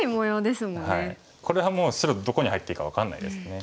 これはもう白どこに入っていいか分かんないですね。